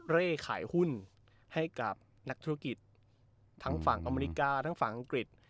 เร่ขายหุ้นให้กับนักธุรกิจทั้งฝั่งอเมริกาทั้งฝั่งอังกฤษ